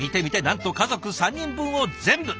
なんと家族３人分を全部！